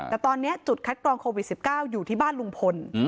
แต่ตอนนี้จุดคัดกรองโควิด๑๙อยู่ที่บ้านลุงพล